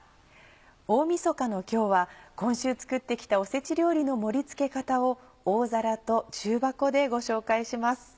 大みそかの今日は今週作って来たおせち料理の盛りつけ方を大皿と重箱でご紹介します。